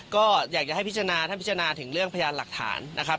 ก็อยากจะให้พิจารณาท่านพิจารณาถึงเรื่องพยานหลักฐานนะครับ